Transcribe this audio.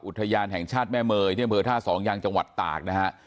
อุทยานแห่งชาติแม่เมยที่อำเภอท่าสองยังจังหวัดตากนะฮะ